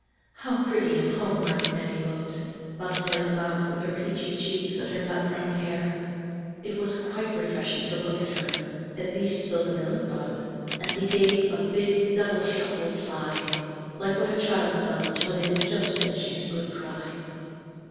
How pretty and home like Nannie looked, bustling about with her peachy cheeks and her nut brown hair. It was quite refreshing to look at her, at least so the miller thought; and he gave a big double shuffle sigh, like what a child does when it is just finishing a good cry.